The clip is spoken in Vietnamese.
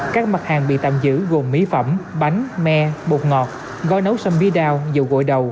các mặt hàng bị tạm giữ gồm mỹ phẩm bánh me bột ngọt gói nấu sâm bí đao dầu gội đầu